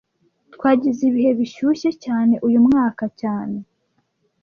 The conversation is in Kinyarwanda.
Twagize ibihe bishyushye cyane uyu mwaka cyane